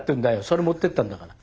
それ持ってったんだから。